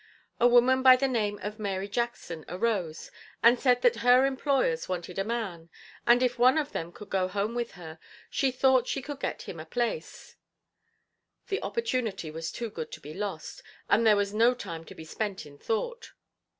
A woman by the name of Mary Jackson arose and said that her employers wanted a man, and if one of them could go home with her, she thought she could get him a place. The opportunity was too good to be lost, and there was no time to be spent in thought.